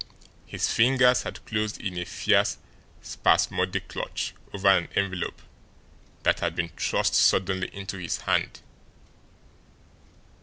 His fingers had closed in a fierce, spasmodic clutch over an envelope that had been thrust suddenly into his hand.